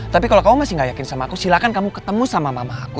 tapi kalau kamu masih gak yakin sama aku silakan kamu ketemu sama mama aku